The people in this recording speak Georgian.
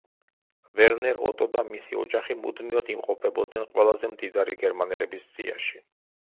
ვერნერ ოტო და მისი ოჯახი მუდმივად იმყოფებოდნენ ყველაზე მდიდარი გერმანელების სიაში.